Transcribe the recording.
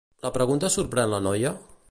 La pregunta sorprèn la noia?